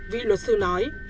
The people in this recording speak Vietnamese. vị luật sư nói